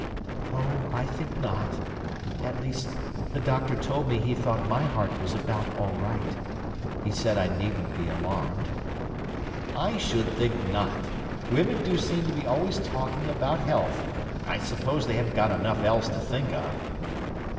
"Oh, I think not—at least, the doctor told me he thought my heart was about all right. He said I needn't be alarmed." "I should think not! Women do seem to be always talking about health: I suppose they haven't got enough else to think of!"